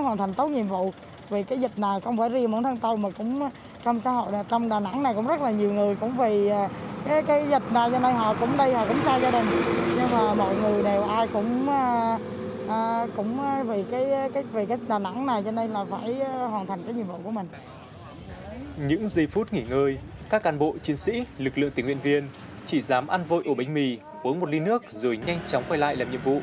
những giây phút nghỉ ngơi các cán bộ chiến sĩ lực lượng tỉnh nguyện viên chỉ dám ăn vôi ổ bánh mì uống một ly nước rồi nhanh chóng quay lại làm nhiệm vụ